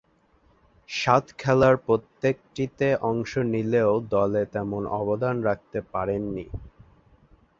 সাত খেলার প্রত্যেকটিতে অংশ নিলেও দলে তেমন অবদান রাখতে পারেননি।